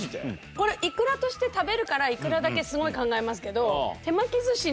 これイクラとして食べるからイクラだけすごい考えますけど。